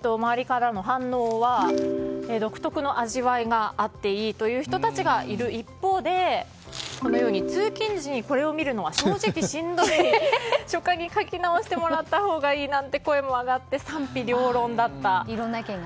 周りからの反応は独特の味わいがあっていいという人たちがいる一方でこのように通勤時にこれを見るのは正直しんどい書家に書き直してもらったほうがいいなんて声も上がって賛否両論だったんです。